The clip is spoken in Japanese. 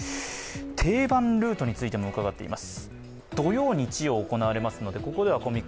定番ルートについても伺っています。